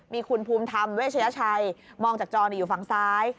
มีคุณภูมิธรรมเวชยชัยมองจากจออยู่ฝั่งซ้าย